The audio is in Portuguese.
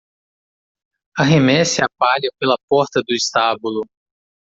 Arremesse a palha pela porta do estábulo.